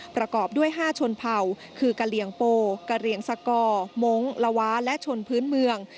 ประกอบด้วย๕ชนเผ่าคือกะเหลี่ยงโปกะเรียงสกรมงค์ละว้าและชนพื้นเมือง